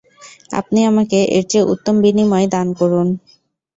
আপনি আমাকে এর চেয়ে উত্তম বিনিময় দান করুন।